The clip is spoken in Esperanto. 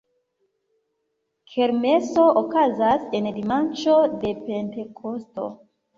Kermeso okazas en dimanĉo de Pentekosto.